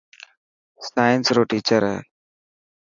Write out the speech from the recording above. سائنس رو ٽيچر هي.